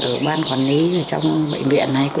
ở bình dương ấy